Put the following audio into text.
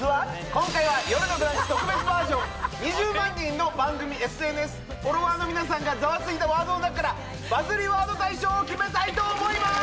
今回は「よるのブランチ」特別バージョン２０万人の番組ＳＮＳフォロワーの皆さんがザワついたワードの中からバズりワード大賞を決めたいと思います！